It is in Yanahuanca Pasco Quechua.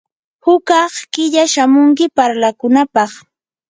hukaq killa shamunki parlakunapaq.